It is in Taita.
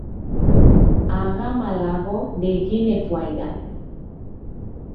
Agha malagho ndeghine fwaida